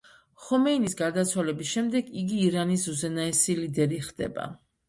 ხომეინის გარდაცვალების შემდეგ იგი ირანის უზენაესი ლიდერი ხდება.